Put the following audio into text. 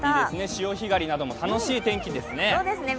潮干狩りなども楽しい天気ですね。